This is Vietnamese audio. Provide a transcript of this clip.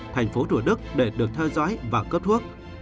tp hcm để được thơ giói và cấp thuốc